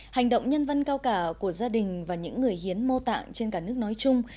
hành động nhân văn cao cả của gia đình và những người hiến mô tạng trên cả nước nói chung